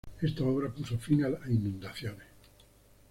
Esta obra puso fin a las inundaciones.